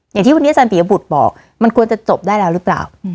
อย่างที่วันนี้อาจารย์ปียบุตรบอกมันควรจะจบได้แล้วหรือเปล่า